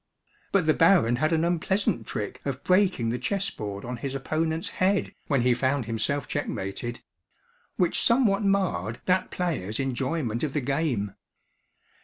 But the baron had an unpleasant trick of breaking the chess board on his opponent's head, when he found himself checkmated; which somewhat marred that player's enjoyment of the game.